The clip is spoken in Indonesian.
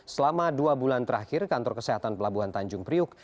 selama dua bulan terakhir kantor kesehatan pelabuhan tanjung priuk